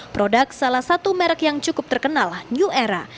produk salah satu merek yang cukup terkenal new era